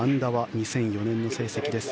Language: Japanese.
２００４年の成績です。